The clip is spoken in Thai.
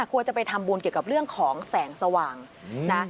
ควรจะไปทำบุญเกี่ยวกับเรื่องของแสงสว่างนะ